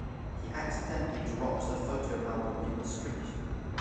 He accidentally drops a photo album in the street.